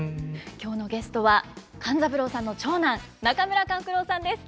今日のゲストは勘三郎さんの長男中村勘九郎さんです。